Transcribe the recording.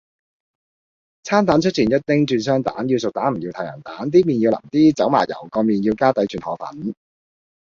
餐蛋出前一丁轉雙蛋，要熟蛋唔要太陽蛋，啲麵要淋啲，走麻油，個麵要加底轉河粉